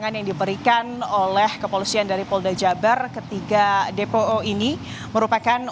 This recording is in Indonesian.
saya pernah ketika menangani kasus pembunuhan